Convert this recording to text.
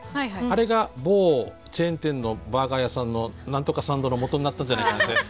あれが某チェーン店のバーガー屋さんの何とかサンドのもとになったんじゃないかなんて